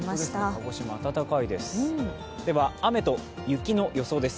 鹿児島、暖かいです